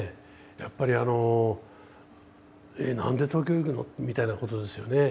やっぱりあのえ何で東京行くの？みたいなことですよね。